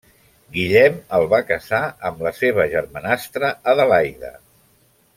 Guillem el va casar amb la seva germanastra Adelaida.